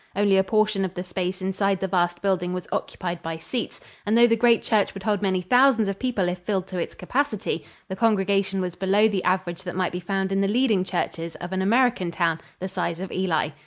Only a portion of the space inside the vast building was occupied by seats, and though the great church would hold many thousands of people if filled to its capacity, the congregation was below the average that might be found in the leading churches of an American town the size of Ely.